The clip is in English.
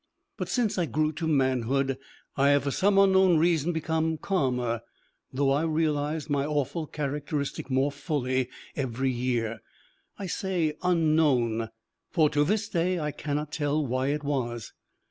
But since I grew to manhood, I have for some unknown reason become calmer, though I realised my awful characteristic more fully every year. I say "unknown," for to this day I cannot tell why it was.